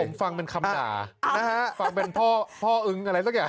ผมฟังเป็นคำด่านะฮะฟังเป็นพ่อพ่ออึ้งอะไรสักอย่าง